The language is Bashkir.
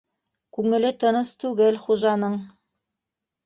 Күңеле тыныс түгел хужаның.